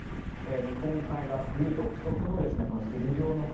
日本海側、冬独特の筋状の雲。